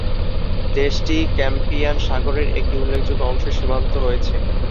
দেশটি কাস্পিয়ান সাগরের একটি উল্লেখযোগ্য অংশে সীমান্ত রয়েছে।